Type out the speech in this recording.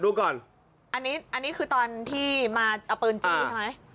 อันนี้อันนี้คือตอนที่มาเอาเปลืองจริงใช่ไหม